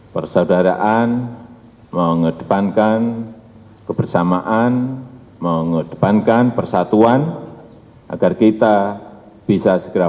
persaudaraan mengedepankan kebersamaan mengedepankan persatuan agar kita bisa segera